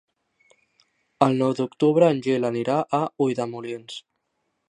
El nou d'octubre en Gil anirà a Ulldemolins.